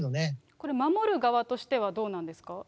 これ、守る側としてはどうなんですか。